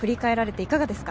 いかがですか？